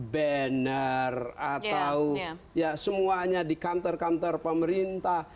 banner atau ya semuanya di kantor kantor pemerintah